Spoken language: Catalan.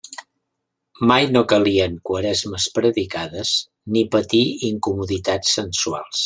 Mai no calien Quaresmes predicades, ni patir incomoditats sensuals.